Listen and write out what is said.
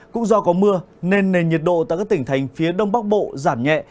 cũng do có mưa nên nền nhiệt độ tại các tỉnh thành phía đông bắc bộ giảm nhẹ